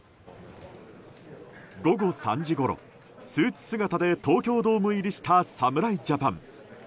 午後３時ごろ、スーツ姿で東京ドーム入りした侍ジャパン。